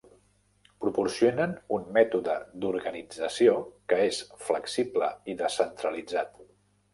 Proporcionen un mètode d'organització que és flexible i descentralitzat.